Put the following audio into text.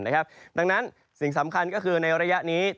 ดังนั้นสิ่งสำคัญก็คือในระยะนี้